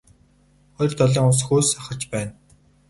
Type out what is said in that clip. Хоёр талын ус хөөс сахарч байна.